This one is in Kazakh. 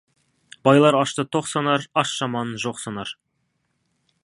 Байлар ашты тоқ санар, аш жаманын жоқ санар.